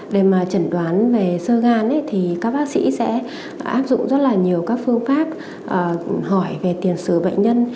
để mà chẩn đoán về sơ gan thì các bác sĩ sẽ áp dụng rất là nhiều các phương pháp hỏi về tiền sử bệnh nhân